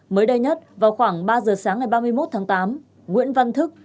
mới đây nhất vào khoảng ba giờ sáng ngày ba mươi một tháng tám nguyễn văn thức